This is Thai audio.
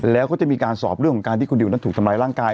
แล้วก็จะมีการสอบเรื่องของการที่คุณดิวนั้นถูกทำร้ายร่างกาย